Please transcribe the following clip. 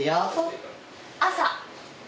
朝。